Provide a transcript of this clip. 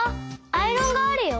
アイロンがあるよ！